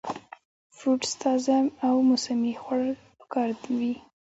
فروټس تازه او موسمي خوړل پکار وي -